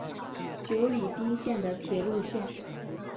久里滨线的铁路线。